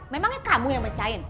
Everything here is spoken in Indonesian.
memangnya kamu yang mecahin